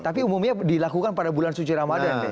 tapi umumnya dilakukan pada bulan suci ramadan